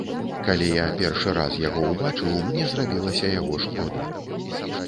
Калі я першы раз яго ўбачыў, мне зрабілася яго шкода.